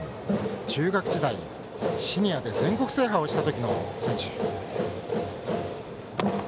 中学時代、シニアで全国制覇をした時の選手。